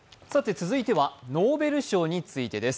続いてはノーベル賞についてです。